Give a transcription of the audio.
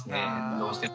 どうしても。